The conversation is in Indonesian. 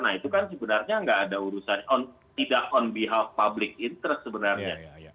nah itu kan sebenarnya nggak ada urusan tidak on behalf public interest sebenarnya